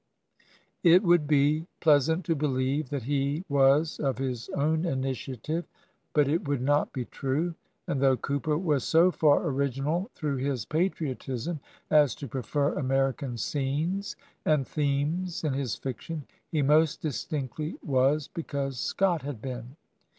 It would be pleasant to believe that he was of his own initiative, but it would not be true; and though Cooper was so far original through his patriotism as to prefer American scenes and themes in his fiction, he most distinctly was because Scott had been.